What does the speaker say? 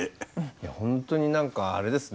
ほんとに何かあれですね